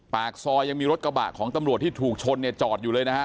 ปากซอยยังมีรถกระบะของตำรวจที่ถูกชนเนี่ยจอดอยู่เลยนะฮะ